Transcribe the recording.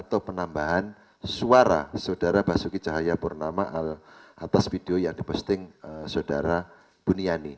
atau penambahan suara saudara basuki cahaya purnama atas video yang diposting saudara buniani